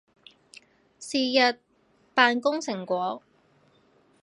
是日扮工成果